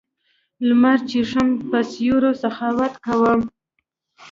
لمر چېښم په سیوري سخاوت کوم